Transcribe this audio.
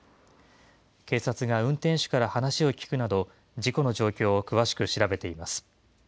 警察が運転手から話を聞くなど、事故の状況を詳しく調べています。